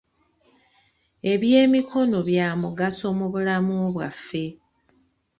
Eby'emikono bya mugaso mu bulamu bwaffe.